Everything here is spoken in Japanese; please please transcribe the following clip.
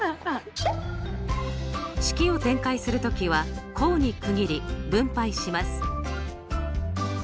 式を展開する時は項に区切り分配します。